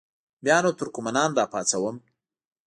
بیا نو ترکمنان را پاڅوم.